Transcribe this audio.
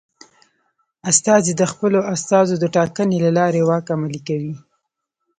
استازي د خپلو استازو د ټاکنې له لارې واک عملي کوي.